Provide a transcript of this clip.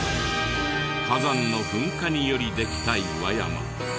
火山の噴火によりできた岩山。